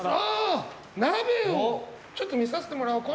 鍋をちょっと見させてもらおう。